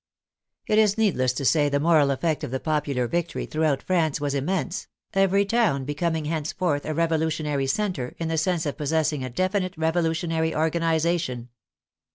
It is needless to say the moral effect of the popular victory throughout France was immense, every town becoming henceforth a revolutionary center in the sense of possessing a definite revolutionary organization.